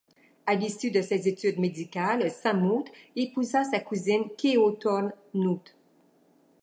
À l'issue de ses études médicales, Samouth épousa sa cousine Keo Thorng Gnut.